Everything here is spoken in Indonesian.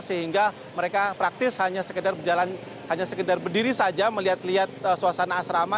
sehingga mereka praktis hanya sekedar berdiri saja melihat lihat suasana asrama